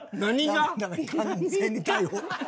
完全に逮捕。